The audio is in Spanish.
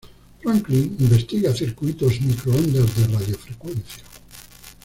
Franklin investiga circuitos microondas de radiofrecuencia.